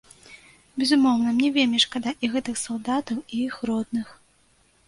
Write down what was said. Безумоўна, мне вельмі шкада і гэтых салдатаў, і іх родных.